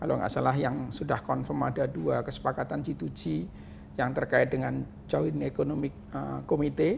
kalau nggak salah yang sudah confirm ada dua kesepakatan g dua g yang terkait dengan joint economic committee